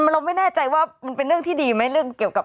เราไม่แน่ใจว่าเป็นเรื่องที่ดีมั้ย